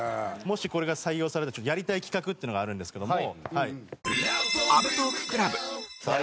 もしこれが採用されたらやりたい企画っていうのがあるんですけども。